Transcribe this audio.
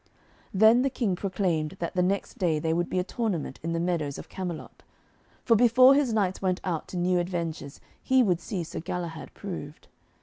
Then the King proclaimed that the next day there would be a tournament in the meadows of Camelot. For before his knights went out to new adventures, he would see Sir Galahad proved.